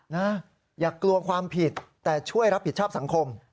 อย่ากลัวความผิดแต่ช่วยรับผิดชอบสังคม